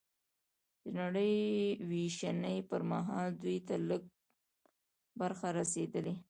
د نړۍ وېشنې پر مهال دوی ته لږ برخه رسېدلې